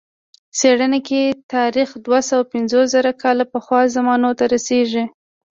څېړنه کې تاریخ دوه سوه پنځوس زره کاله پخوا زمانو ته رسېږي.